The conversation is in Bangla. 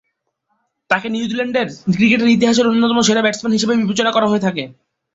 তাকে নিউজিল্যান্ডের ক্রিকেটের ইতিহাসে অন্যতম সেরা ব্যাটসম্যান হিসেবে বিবেচনা করা হয়ে থাকে।